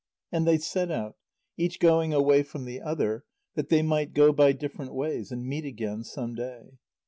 And they set out, each going away from the other, that they might go by different ways and meet again some day.